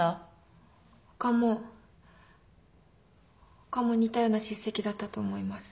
他も似たような叱責だったと思います。